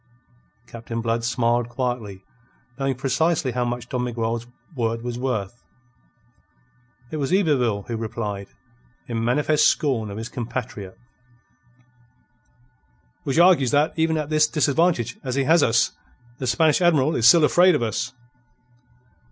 Captain Blood smiled quietly, knowing precisely how much Don Miguel's word was worth. It was Yberville who replied, in manifest scorn of his compatriot: "Which argues that, even at this disadvantage as he has us, the Spanish Admiral is still afraid of us."